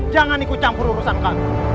jangan ikut campur urusan kami